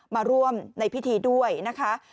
มาร่วมในพิธีด้วยนะคะ